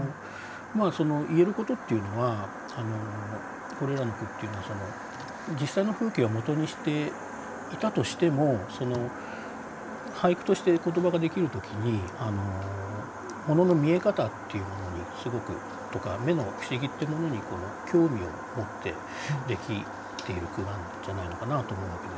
言えることっていうのはこれらの句っていうのは実際の風景をもとにしていたとしても俳句として言葉ができる時にものの見え方っていうものにすごくとか目の不思議ってものに興味を持ってできている句なんじゃないのかなと思うわけです。